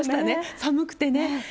寒くてね。